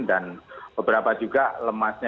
dan beberapa juga lemasnya